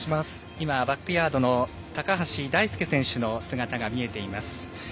今、バックヤードの高橋大輔選手の姿が見えています。